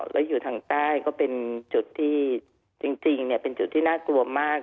แล้วอยู่ทางใต้ก็เป็นจุดที่จริงเป็นจุดที่น่ากลัวมาก